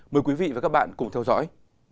mời quý vị và các bạn cùng theo dõi